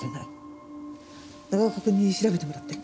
永岡くんに調べてもらって。